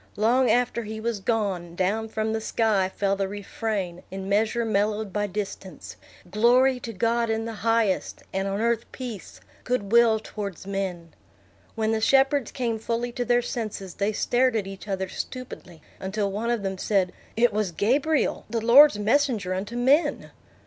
Long after he was gone, down from the sky fell the refrain in measure mellowed by distance, "Glory to God in the highest, and on earth peace, good will towards men." When the shepherds came fully to their senses, they stared at each other stupidly, until one of them said, "It was Gabriel, the Lord's messenger unto men."